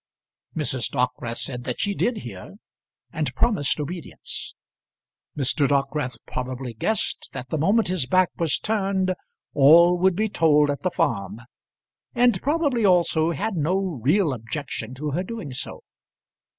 Mrs. Dockwrath said that she did hear, and promised obedience. Mr. Dockwrath probably guessed that the moment his back was turned all would be told at the farm, and probably also had no real objection to her doing so.